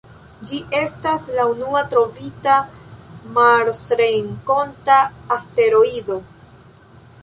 Ĝi estas la unua trovita marsrenkonta asteroido.